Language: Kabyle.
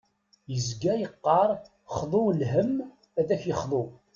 Yezga yeqqar xḍu lhem ad k-yexḍu.